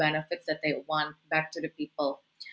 yang mereka inginkan kembali kepada orang lain